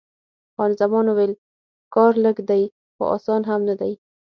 خان زمان وویل: کار لږ دی، خو اسان هم نه دی.